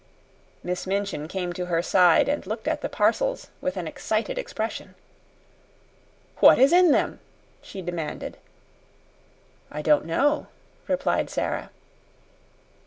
Miss Minchin came to her side and looked at the parcels with an excited expression. "What is in them?" she demanded. "I don't know," replied Sara.